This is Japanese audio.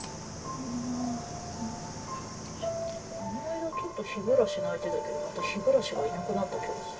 この間ちょっとひぐらし鳴いてたけどひぐらしがいなくなった気がする。